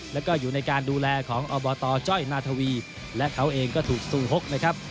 แล้วก็อยู่ในการดูแลของอบตจ้อยนาธวีและเขาเองก็ถูกซูฮกนะครับ